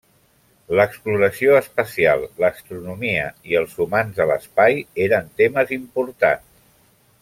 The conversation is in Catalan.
L'exploració espacial, l'astronomia i els humans a l'espai eren temes importants.